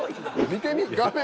見てみ画面。